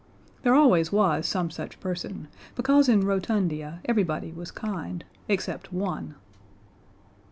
There always was some such person, because in Rotundia everybody was kind except one.